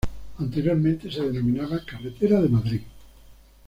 Anteriormente se denominaba Carretera de Madrid.